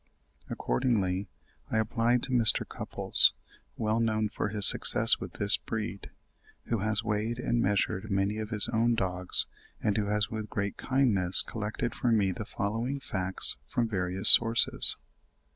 Accordingly, I applied to Mr. Cupples, well known for his success with this breed, who has weighed and measured many of his own dogs, and who has with great kindness collected for me the following facts from various sources.